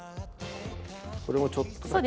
これもちょっとだけ。